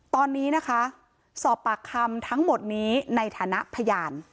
ตอนนี้นะคะสอบปากคำทั้งหมดนี้ในฐานะพยาน